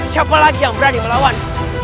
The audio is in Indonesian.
siapa lagi yang berani melawan